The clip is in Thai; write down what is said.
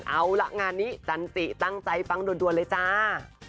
เอาละงานนี้จันติตั้งใจฟังด่วนเลยจ้า